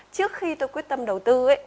trước khi tôi quyết tâm đầu tư ấy